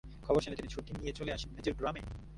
খবর শুনে তিনি ছুটি নিয়ে চলে আসেন নিজের গ্রামে।